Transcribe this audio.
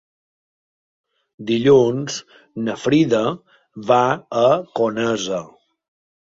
Dilluns na Frida va a Conesa.